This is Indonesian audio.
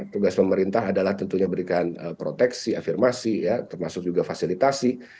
tugas pemerintah adalah tentunya berikan proteksi afirmasi termasuk juga fasilitasi